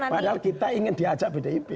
padahal kita ingin diajak bdip